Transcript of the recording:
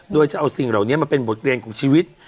โดยจะเอาสิ่งเหล่านี้มาเป็นบทเรียนของชีวิต